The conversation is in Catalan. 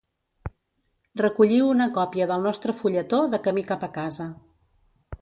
Recolliu una còpia del nostre fulletó de camí cap a casa.